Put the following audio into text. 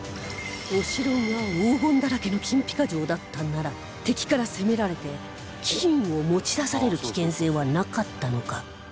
お城が黄金だらけの金ピカ城だったなら敵から攻められて金を持ち出される危険性はなかったのか？